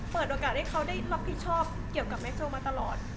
เปิดโอกาสให้เขาได้รับผิดชอบเกี่ยวกับแม็กโซมาตลอด